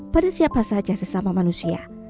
pada siapa saja sesama manusia